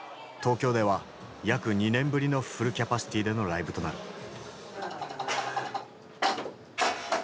東京では約２年ぶりのフルキャパシティーでのライブとなる。